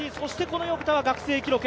横田は学生記録。